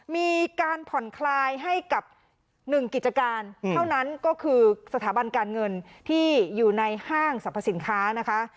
มีการผ่อนคลายให้กับ๑กิจการเท่านั้นก็คือสถาบันการเงินที่อยู่ในห้างสรรพสินค้านะคะ